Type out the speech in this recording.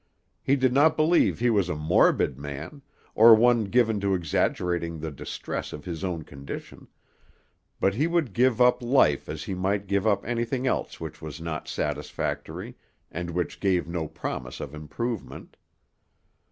He did not believe he was a morbid man, or one given to exaggerating the distress of his own condition, but he would give up life as he might give up anything else which was not satisfactory, and which gave no promise of improvement.